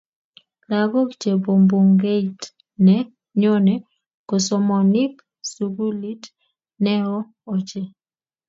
Lakok che bo mbungeit ne nyone kosomonik sukulit ne oo ochei.